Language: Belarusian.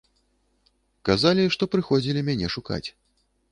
Казалі, што прыходзілі мяне шукаць.